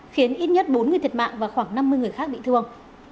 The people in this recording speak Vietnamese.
khiến ít nhất bốn người thiệt mạng và khoảng năm mươi người khác bị thương